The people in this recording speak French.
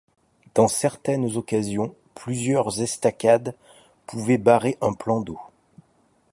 Dans certaines occasions, plusieurs estacades pouvaient barrer un plan d'eau.